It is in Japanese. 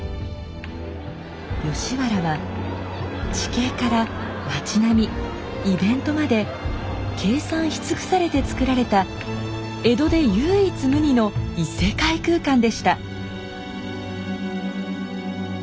吉原は地形から町並みイベントまで計算し尽くされてつくられた江戸で唯一無二の異世界空間でした。